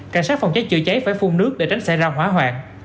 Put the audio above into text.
cảnh sát phòng cháy chữa cháy phải phun nước để tránh xảy ra hỏa hoạn